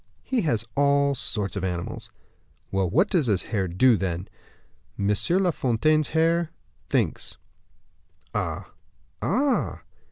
"He has all sorts of animals." "Well, what does his hare do, then?" "M. La Fontaine's hare thinks." "Ah, ah!"